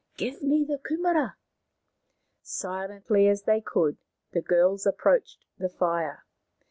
" Give me the kumaras. ,, Silently as they could the girls approached the fire.